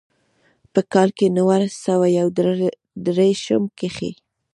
پۀ کال نولس سوه يو ديرشم کښې